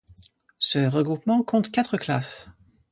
Ce regroupement compte quatre classes.